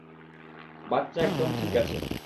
বাচ্চা একদম ঠিক আছে।